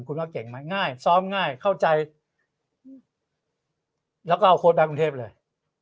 คุณว่าเก่งไหมง่ายซ้อมง่ายเข้าใจแล้วก็เอาโค้ดไปกรุงเทพเลย